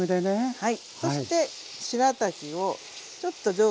はい。